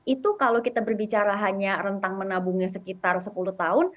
itu kalau kita berbicara hanya rentang menabungnya sekitar sepuluh tahun